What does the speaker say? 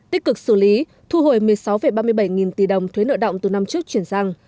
tích cực xử lý thu hồi một mươi sáu ba mươi bảy nghìn tỷ đồng thuế nợ động từ năm trước chuyển sang